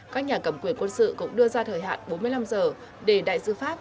các nhà cầm quyền quân sự cũng đưa ra thời hạn bốn mươi năm giờ để đại sứ pháp